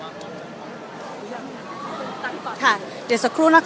สวัสดีครับขออนุญาตถ้าใครถึงแฟนทีลักษณ์ที่เกิดอยู่แล้วค่ะ